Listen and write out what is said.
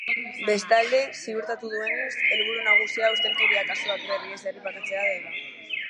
Bestalde, ziurtatu duenez, helburu nagusia ustelkeria kasuak berriz ez errepikatzea dela.